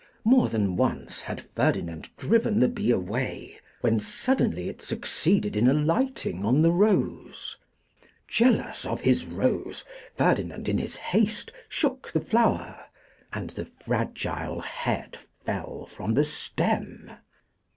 More than once had Ferdinand driven the bee away, when suddenly it succeeded in alighting on the rose. Jealous of his rose, Ferdinand, in his haste, shook the flower, and the fragile head fell from the stem!